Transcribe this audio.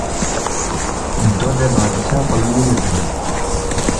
دو دے بادشاہ پو لہ مِنے تنگس